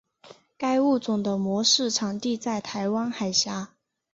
该物种的模式产地在台湾海峡。